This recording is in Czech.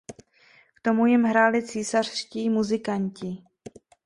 K tomu jim hráli císařští muzikanti.